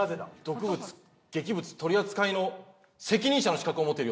毒物劇物取扱の責任者の資格を持っているようです。